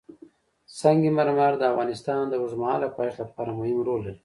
سنگ مرمر د افغانستان د اوږدمهاله پایښت لپاره مهم رول لري.